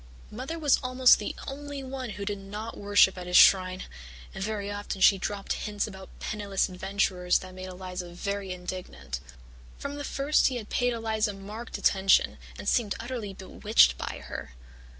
Mother was almost the only one who did not worship at his shrine, and very often she dropped hints about penniless adventurers that made Eliza very indignant. "From the first he had paid Eliza marked attention and seemed utterly bewitched by her.